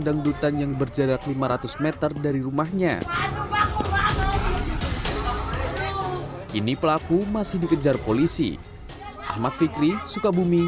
dangdutan yang berjarak lima ratus m dari rumahnya kini pelaku masih dikejar polisi ahmad fikri sukabumi